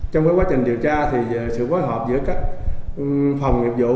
trong quá trình điều tra thì sự phối hợp giữa các phòng nghiệp vụ